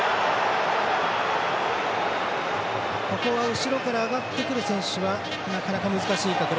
後ろから上がってくる選手はなかなか難しいところ。